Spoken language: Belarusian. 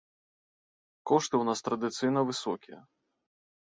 Кошты ў нас традыцыйна высокія.